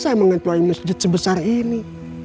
saya mengetuai masjid sebesar ini